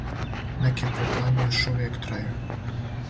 Неки проблеми још увијек трају.